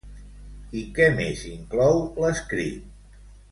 I què més inclou l'escrit?